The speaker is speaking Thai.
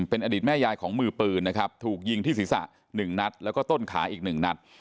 เป็นอดีตแม่ยายของมือปืนนะครับถูกยิงที่ศีรษะ๑นัดแล้วก็ต้นขาอีก๑นัด